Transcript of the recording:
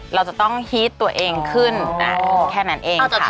เราจะต้องฮีตตัวเองขึ้นแค่นั้นเองค่ะ